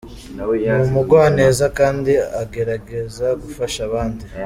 Ni umugwaneza kandi agerageza gufasha abandi.